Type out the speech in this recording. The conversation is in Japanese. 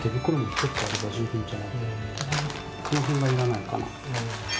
この辺がいらないかな。